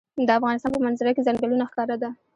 د افغانستان په منظره کې ځنګلونه ښکاره ده.